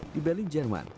di berlin jerman